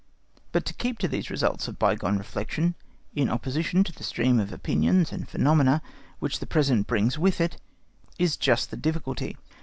But to keep to these results of bygone reflection, in opposition to the stream of opinions and phenomena which the present brings with it, is just the difficulty.